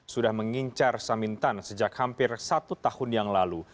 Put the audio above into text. sudah mengincar samintan sejak hampir satu tahun yang lalu